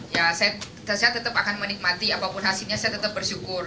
ya saya tetap akan menikmati apapun hasilnya saya tetap bersyukur